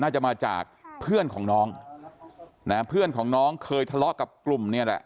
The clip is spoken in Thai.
น่าจะมาจากเพื่อนของน้องนะเพื่อนของน้องเคยทะเลาะกับกลุ่มเนี่ยแหละ